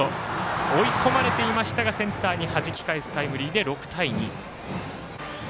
追い込まれていましたがセンターにはじき返すタイムリーで６対２。